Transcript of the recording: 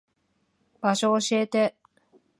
場所教えて。